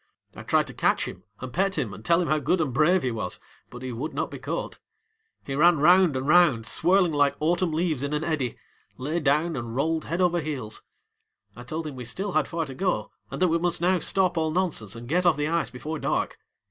I tried to catch him and pet him and tell him how good and brave he was, but he would not be caught. He ran round and round, swirling like autumn leaves in an eddy, lay down and rolled head over heels. I told him we still had far to go and that we must now stop all nonsense and get off the ice before dark.